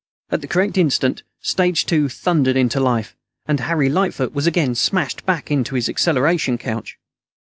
At the correct instant, stage two thundered into life, and Harry Lightfoot was again smashed back into his acceleration couch.